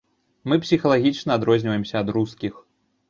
Мы псіхалагічна адрозніваемся ад рускіх!